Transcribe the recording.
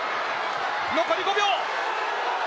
残り５秒。